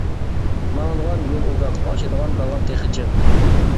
ماڭىدىغان يول ئۇزاق، ئاشىدىغان داۋان تېخى جىق.